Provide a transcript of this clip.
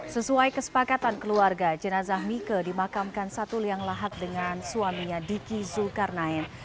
sesuai kesepakatan keluarga jenazah mika dimakamkan satu liang lahat dengan suaminya diki zulkarnain